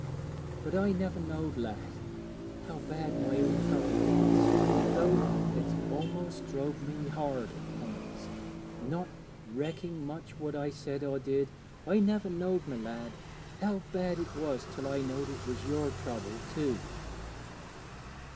But I never knowed, lad, how bad my own trouble was though it's a'most drove me hard at times, not recking much what I said or did I niver knowed, my lad, how bad it was till I knowed it was yer trouble too.'